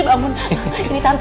ini tante bangun tante